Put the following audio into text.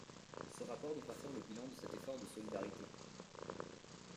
Ce rapport devra faire le bilan de cet effort de solidarité.